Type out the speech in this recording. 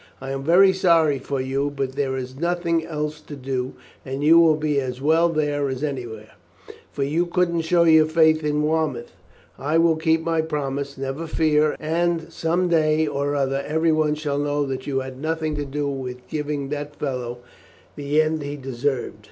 "I am very sorry for you, but there is nothing else to do, and you will be as well there as anywhere, for you couldn't show your face in Weymouth. I will keep my promise, never fear; and some day or other everyone shall know that you had nothing to do with giving that fellow the end he deserved."